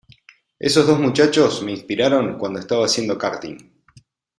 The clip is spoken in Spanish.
Esos dos muchachos me inspiraron cuando estaba haciendo karting".